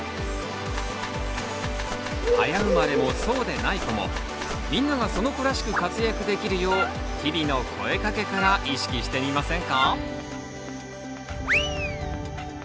早生まれもそうでない子もみんながその子らしく活躍できるよう日々の声かけから意識してみませんか？